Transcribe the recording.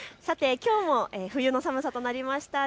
きょうも冬の寒さとなりました。